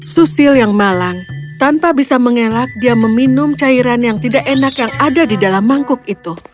susil yang malang tanpa bisa mengelak dia meminum cairan yang tidak enak yang ada di dalam mangkuk itu